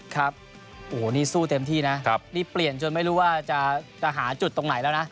ครับโอ้โหนี่สู้เต็มที่นะนี่เปลี่ยนจนไม่รู้ว่าจะหาจุดตรงไหนแล้วนะ